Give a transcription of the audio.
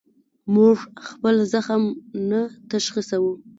موږ خپل زخم نه تشخیصوو.